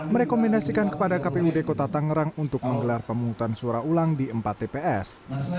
merekomendasikan kepada kpud kota tangerang untuk menggelar pemungutan suara ulang di empat tps